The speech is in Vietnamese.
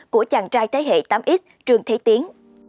của chàng trai thế hệ tám x trương thế tiến